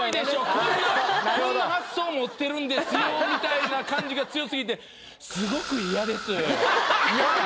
こんなこんな発想持ってるんですよみたいな感じが強過ぎてはははっ。